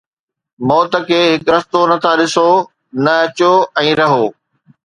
موت کي هڪ رستو نه ٿا ڏسو؟ نه اچو ۽ رهو